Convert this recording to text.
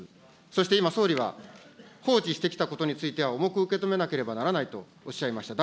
そして、今、総理は、放置してきたことについては、重く受け止めなければならないとおっしゃいました。